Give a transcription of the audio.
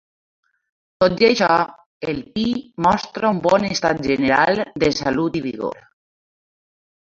Tot i això, el pi mostra un bon estat general de salut i vigor.